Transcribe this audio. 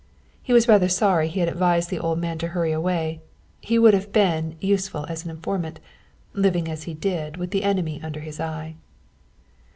He was rather sorry he had advised the old man to hurry away; he would have been useful as an informant, living as he did with the enemy under his eye.